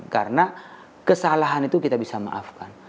karena kesalahan itu kita bisa maafkan